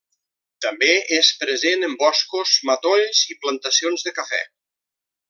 També és present en boscos, matolls i plantacions de cafè.